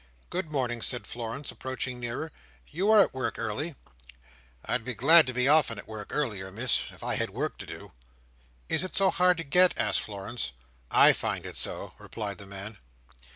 "Good morning," said Florence, approaching nearer, "you are at work early." "I'd be glad to be often at work earlier, Miss, if I had work to do." "Is it so hard to get?" asked Florence. "I find it so," replied the man.